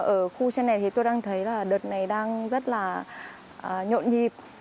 ở khu trên này thì tôi đang thấy là đợt này đang rất là nhộn nhịp